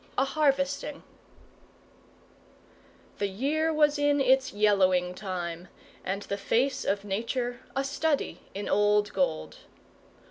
A HARVESTING The year was in its yellowing time, and the face of Nature a study in old gold.